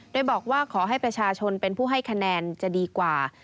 โดยบอกว่าขอให้ประชาชนเป็นผู้ให้คะแนนจะดีกว่า